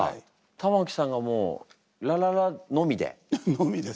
玉置さんがもう「ラララ」のみで？のみです。